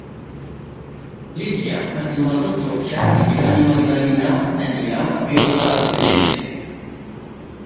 Lidia, tezemreḍ ad tessewweḍ kra n tgella i Magdalena, Ania, Piotr akked Lech?